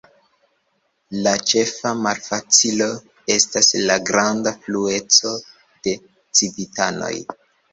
La ĉefa malfacilo estas la granda flueco de civitanoj.